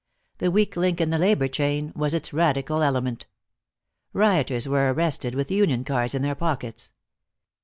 The weak link in the labor chain was its Radical element. Rioters were arrested with union cards in their pockets.